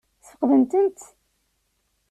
Ssfeqdent-tent?